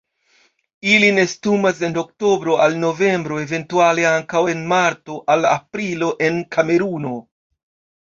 Ili nestumas en oktobro al novembro, eventuale ankaŭ en marto al aprilo en Kameruno.